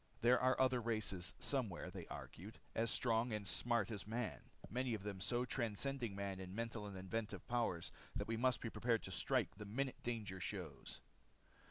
There are other races somewhere, they argued. As strong and smart as man, many of them so transcending man in mental and inventive power that we must be prepared to strike the minute danger shows.